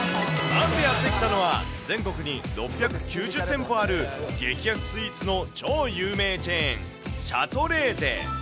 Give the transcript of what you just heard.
まずやって来たのは、全国に６９０店舗ある激安スイーツの超有名チェーン、シャトレーゼ。